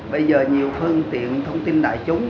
bây giờ nhiều phương tiện thông tin đại chúng